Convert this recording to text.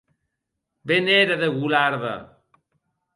Be n’ère de golarda!